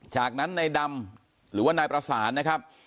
จากนั้นนายดำหรือว่านายประสานนะครับ